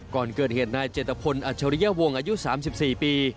ก่อนเกิดเหตุนายเจตพลอัจฉริยวงศ์อายุ๓๔ปี